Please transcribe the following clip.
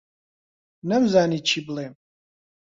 نەمزانی چی بڵێم.